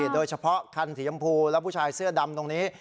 โดยเฉพาะคันสียำพูและผู้ชายเสื้อดำตรงนี้